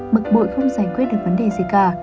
bực bội không giải quyết được vấn đề gì cả